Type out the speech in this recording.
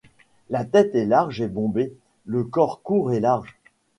La tête est large et bombée, le corps court et large.